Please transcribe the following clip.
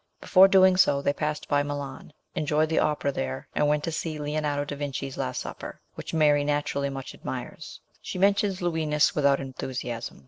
Before doing so, they passed by Milan, enjoyed the opera there, and went to see Leonardo da Vinci's " Last Supper," which Mary naturally much admires; she mentions the Luinis without enthusiasm.